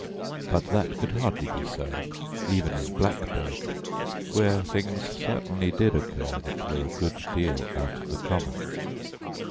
But that could hardly be so, even in Blackburg, where things certainly did occur that were a good deal out of the common.